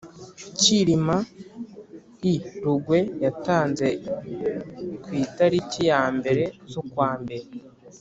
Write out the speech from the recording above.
Cyilima I Rugwe yatanze ku itariki ya mbere zukwambere